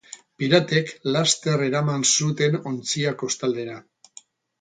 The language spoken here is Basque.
Piratek laster eraman zuten ontzia kostaldera.